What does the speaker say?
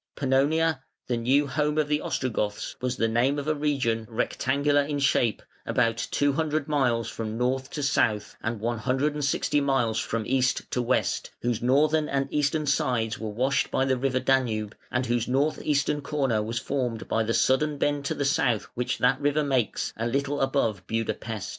Pannonia, the new home of the Ostrogoths, was the name of a region, rectangular in shape, about two hundred miles from north to south and one hundred and sixty miles from east to west, whose northern and eastern sides were washed by the river Danube, and whose north eastern corner was formed by the sudden bend to the south which that river makes, a little above Buda Pest.